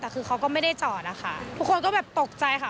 แต่คือเขาก็ไม่ได้จอดนะคะทุกคนก็แบบตกใจค่ะ